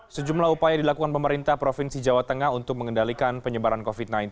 sejumlah upaya dilakukan pemerintah provinsi jawa tengah untuk mengendalikan penyebaran covid sembilan belas